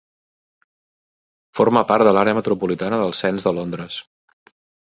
Forma part de l'àrea metropolitana del cens de Londres.